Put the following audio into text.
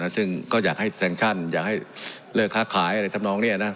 ซึ่งก็อยากให้แซงชั่นอยากให้เลิกค้าขายอะไรทำนองนี้